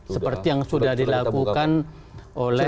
seperti yang sudah dilakukan oleh